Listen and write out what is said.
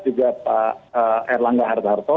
juga pak erlangga hartarto